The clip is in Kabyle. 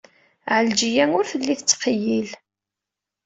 Ɛelǧiya ur telli tettqeyyil.